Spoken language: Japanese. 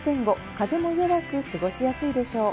風も弱く過ごしやすいでしょう。